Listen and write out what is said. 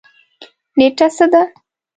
نیټه څه ده؟